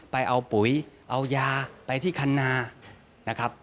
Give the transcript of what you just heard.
ไปเอาปุ๋ยเอายาไปที่คันนานะครับ